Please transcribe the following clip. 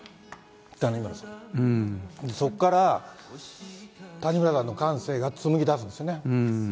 そこから、谷村さんの感性が紡ぎだすんですね。